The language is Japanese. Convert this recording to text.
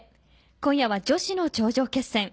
今夜は女子の頂上決戦。